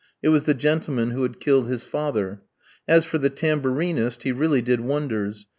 It was the gentleman who had killed his father. As for the tambourinist, he really did wonders.